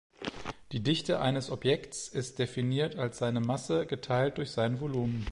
Die Dichte eines Objekts ist definiert als seine Masse geteilt durch sein Volumen.